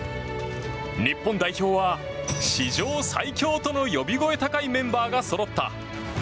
日本代表は史上最強との呼び声高いメンバーがそろった。